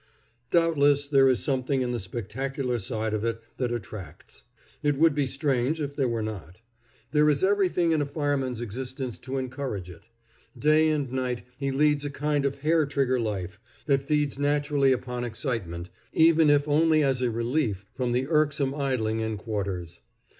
Doubtless there is something in the spectacular side of it that attracts. It would be strange if there were not. There is everything in a fireman's existence to encourage it. Day and night he leads a kind of hair trigger life, that feeds naturally upon excitement, even if only as a relief from the irksome idling in quarters.